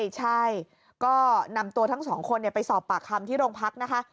ใช่ก็นำตัวทั้งสองคนไปสอบปากคำที่โรงพักนะคะ